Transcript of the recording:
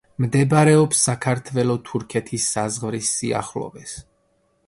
მდებარეობს საქართველო-თურქეთის საზღვრის სიახლოვეს.